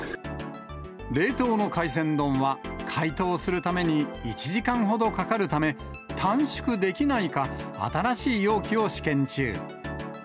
冷凍の海鮮丼は、解凍するために１時間ほどかかるため、短縮できないか、新しい容器を試験中。